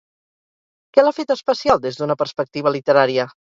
Què l'ha fet especial des d'una perspectiva literària?